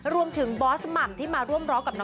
รวมถึงบอสม่ำที่มาร่วมร้องกับ